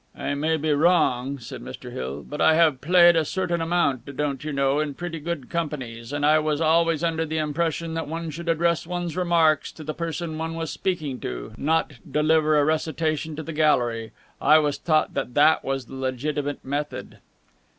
"I may be wrong," said Mr. Hill, "but I have played a certain amount, don't you know, in pretty good companies, and I was always under the impression that one should address one's remarks to the person one was speaking to, not deliver a recitation to the gallery. I was taught that that was the legitimate method."